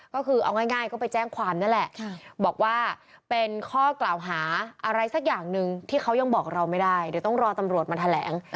ก็คือเอาง่ายก็ไปแจ้งความนั่นแหละบอกว่าเป็นข้อกล่าวหาอะไรสักอย่างหนึ่งที่เขายังบอกเราไม่ได้เดี๋ยวต้องรอตำรวจมาแถลง